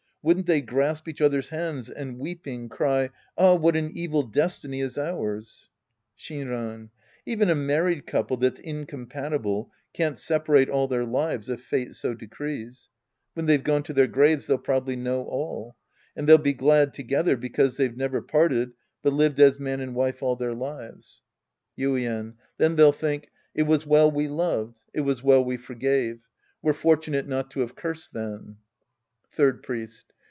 Wouldn't they grasp each other's hands and, weeping, cry, " Ah, what an evil destiny is ours !" Shinran. Even a married couple that's incompa tible can't separate all their lives if fate so decrees. When they've gone to their graves, they'll probably know all. And they'll be glad together because they've never parted, but lived as man and wife all their lives. Act II The rriesl and His Disciples B7 Yiiien. Then they'll tliink, " It was well we loved. It was well we forgave. We're fortunate not to have cursed then." Third Priest.